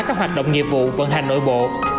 các hoạt động nghiệp vụ vận hành nội bộ